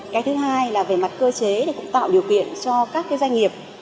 cái thứ hai là về mặt cơ chế tạo điều kiện cho các doanh nghiệp